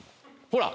ほら！